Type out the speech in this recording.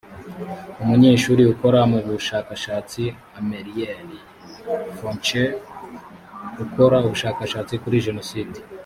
umunyeshuri ukora mu bushakashatsi amelie faucheux ukora ubushakashatsi kuri jenoside